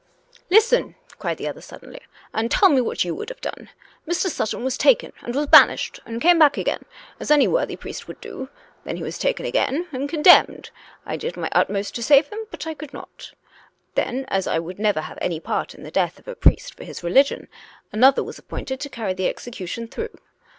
" Listen," cried the other suddenly, " and tell me what you would have done. Mr. Sutton was taken, and was banished, and came back again, as any worthy priest would do. Then he was taken again, and condemned. I did ir.j utmost to save him, but I could not. Then, as I would never have any part in the death of a priest for his religion, another was appointed to carry the execution through.